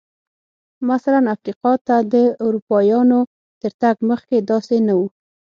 مثلاً افریقا ته د اروپایانو تر تګ مخکې داسې نه و.